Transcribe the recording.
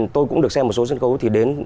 tôi cũng được xem một số sân khấu thì đến